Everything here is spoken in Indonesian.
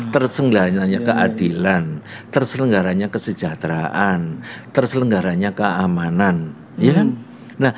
terselenggaranya keadilan terselenggaranya kesejahteraan terselenggaranya keamanan